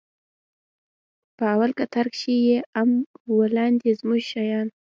په اول کتار کښې يې ام و لاندې زموږ شيان.